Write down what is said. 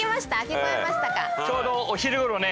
ちょうどお昼ごろね。